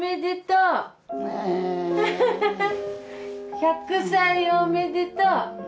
１００歳おめでとう。